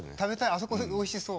あそこおいしそう。